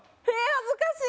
恥ずかしい！